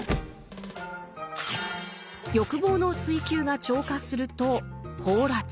欲望の追求が超過すると「放埓」。